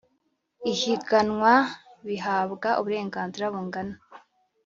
ihiganwa bihabwa uburenganzira bungana